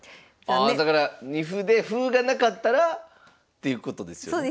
ああだから二歩で歩がなかったらっていうことですよね？